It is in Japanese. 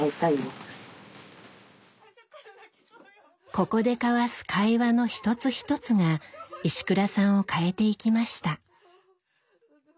ここで交わす会話の一つ一つが石倉さんを変えていきました。